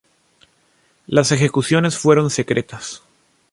Las ejecuciones fueron secretas.